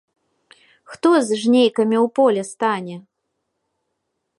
Хто з жнейкамі ў полі стане?